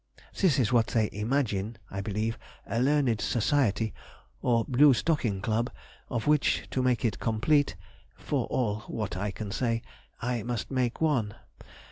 This is what they imagine (I believe) a learned society, or blue stocking club, of which, to make it complete (for all what I can say), I must make one.